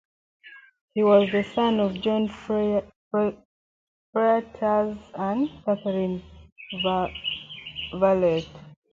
He was the son of Jan Fruytiers and Catherina Vervloet.